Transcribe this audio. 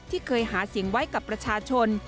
ที่เคยหาเสียงไว้กับประชาชน